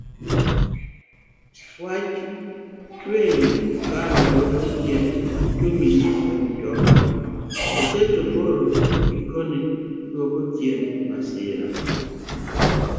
Wach tweyo okanda duoko chien tungni e mtoka asto koro gikone duoko chien masira.